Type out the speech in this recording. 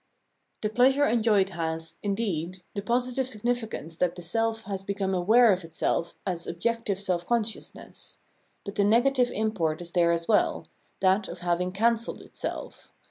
The pleasure enjoyed has, indeed, the positive sig nificance that the self has become aware of itself as objective self consciousness : but the negative import is there as well — that of having cancelled itself.